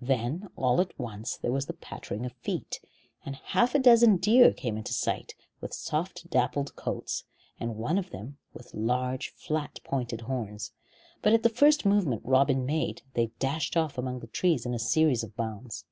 Then all at once there was the pattering of feet, and half a dozen deer came into sight, with soft dappled coats, and one of them with large flat pointed horns; but at the first movement Robin made they dashed off among the trees in a series of bounds.